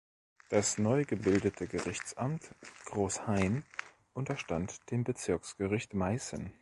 Das neu gebildete Gerichtsamt Großenhain unterstand dem Bezirksgericht Meißen.